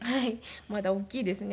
まだ大きいですね